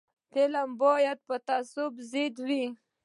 فلم باید د تعصب پر ضد وي